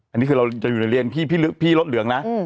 อันนี้คือเราจะอยู่ในเรียนพี่รถเหลืองนะ